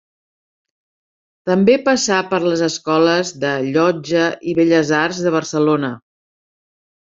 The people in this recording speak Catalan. També passà per les escoles de Llotja i Belles Arts de Barcelona.